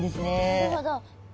なるほど。